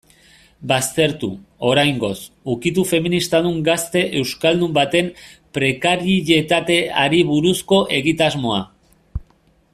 Baztertu, oraingoz, ukitu feministadun gazte euskaldun baten prekarietateari buruzko egitasmoa.